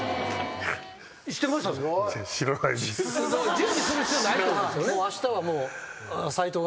準備する必要ないってことですよね？